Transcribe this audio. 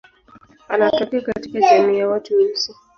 Anatokea katika jamii ya watu weusi.